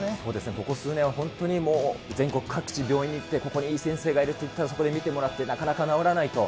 ここ数年は本当にもう、全国各地、病院に行って、ここにいい先生がいるって言ったら、そこで診てもらって、なかなか治らないと。